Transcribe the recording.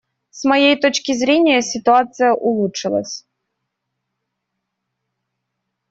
С моей точки зрения, ситуация улучшилась.